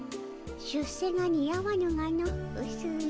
出世が似合わぬがのうすい。